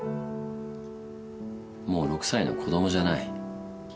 もう６歳の子供じゃない。